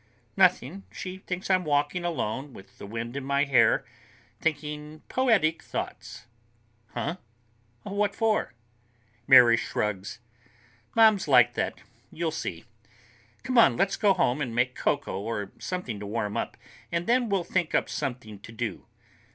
"Nothing. She thinks I'm walking alone with the wind in my hair, thinking poetic thoughts." "Huh? What for?" Mary shrugs. "Mom's like that. You'll see. Come on, let's go home and make cocoa or something to warm up, and then we'll think up something to do.